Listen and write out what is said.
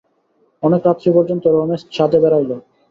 অনেক রাত্রি পর্যন্ত রমেশ ছাদে বেড়াইল।